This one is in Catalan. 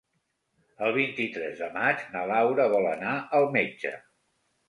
El vint-i-tres de maig na Laura vol anar al metge.